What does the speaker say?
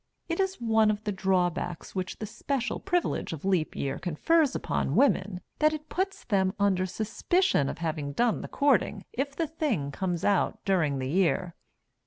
It is one of the drawbacks which the special privilege of Leap Year confers upon women that it puts them under suspicion of having done the courting if the thing comes out during the year."